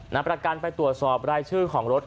นำประกันไปตรวจสอบรายชื่อของรถ